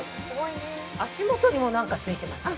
足元にもなんか付いてます？